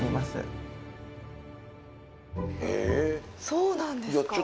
そうなんですか？